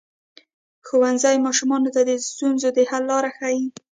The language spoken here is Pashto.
ښوونځی ماشومانو ته د ستونزو د حل لاره ښيي.